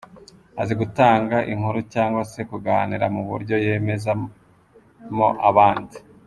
Azi gutanga inkuru cyangwa se kuganira mu buryo yemezamo abandi.